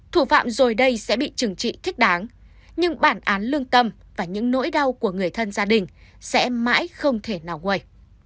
thủ phạm rồi đây sẽ bị trừng trị thích đáng nhưng bản án lương tâm và những nỗi đau của người thân gia đình sẽ mãi không thể nào quê